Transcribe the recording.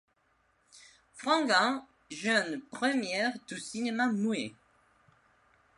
Fringant jeune premier du cinéma muet.